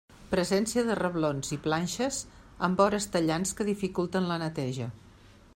Presència de reblons i planxes amb vores tallants que dificulten la neteja.